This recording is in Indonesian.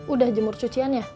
udah jemur cucian ya